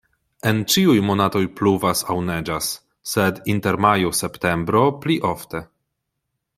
En ĉiuj monatoj pluvas aŭ neĝas, sed inter majo-septembro pli ofte.